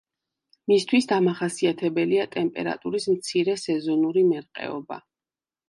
მისთვის დამახასიათებელია ტემპერატურის მცირე სეზონური მერყეობა.